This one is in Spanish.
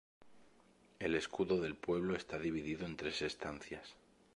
El escudo del pueblo está dividido en tres estancias.